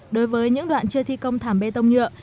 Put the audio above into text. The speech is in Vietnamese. đối với những đoạn chưa thi công thảm bê tông nhựa